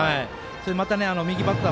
また、右バッター